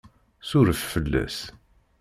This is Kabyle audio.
Suref fell-as!